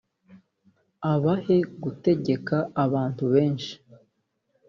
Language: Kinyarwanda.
abahe gutegeka abantu benshi